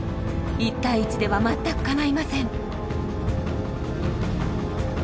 一対一では全くかないません。